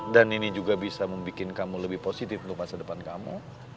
dan ini juga bisa membuat kamu lebih positif untuk masa depan kamu